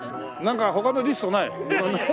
なんか他のリストない？